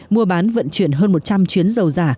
mua bán vận chuyển hơn một trăm linh chuyến dầu giả